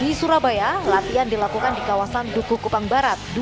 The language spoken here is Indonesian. di surabaya latihan dilakukan di kawasan duku kupang barat